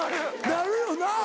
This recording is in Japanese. なるよな。